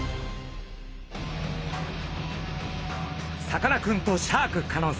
さかなクンとシャーク香音さん